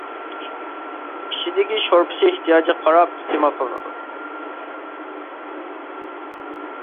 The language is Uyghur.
ئىچىدىكى شورپىسى ئېھتىياجىغا قاراپ ئىستېمال قىلىنىدۇ.